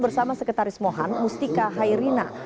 bersama sekretaris mohan mustika hairina